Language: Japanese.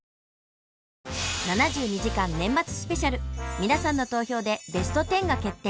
皆さんの投票でベスト１０が決定！